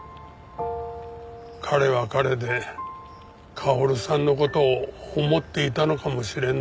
彼は彼で薫さんの事を思っていたのかもしれんな。